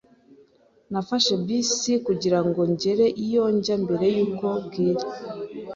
Nafashe bisi kugira ngo ngere iyo njya mbere yuko bwira.